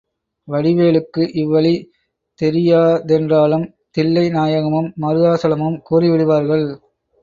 வடிவேலுக்கு இவ்வழி தெரியாதென்றாலும் தில்லை நாயகமும், மருதாசலமும் கூறி விடுவார்கள்.